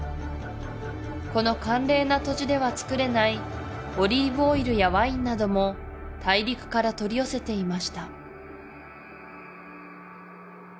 この寒冷な土地ではつくれないオリーブオイルやワインなども大陸から取り寄せていました